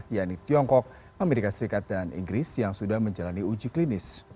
yakni tiongkok amerika serikat dan inggris yang sudah menjalani uji klinis